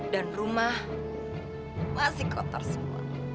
dan rumah masih kotor semua